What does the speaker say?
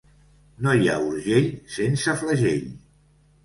No hi ha Urgell sense flagell.